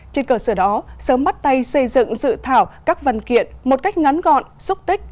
trên cơ sở đó sớm bắt tay xây dựng dự thảo các văn kiện một cách ngắn gọn xúc tích